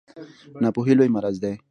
ناپوهي لوی مرض دی